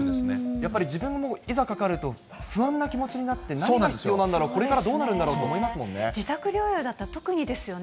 やっぱり、自分もいざかかると、不安な気持ちになって、何が必要なんだろう、これからど自宅療養だと特にですよね。